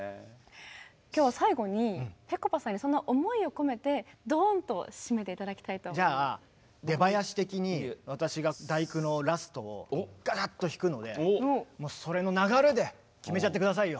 今日は最後にぺこぱさんにその思いを込めてじゃあ出囃子的に私が「第９」のラストをガーッと弾くのでもうそれの流れで決めちゃって下さいよ。